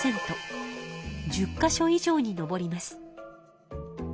１０か所以上に上ります。